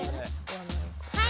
はい！